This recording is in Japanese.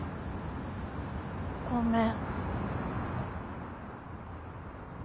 ごめん。